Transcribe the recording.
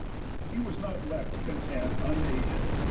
He was not left to contend unaided.